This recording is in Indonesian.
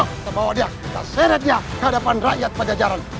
kita bawa dia kita seret dia ke hadapan rakyat pada jalan